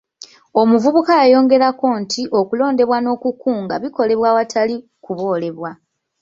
Omuvubuka yayongerako nti okulondebwa n'okukunga bikolebwa awatali kuboolebwa.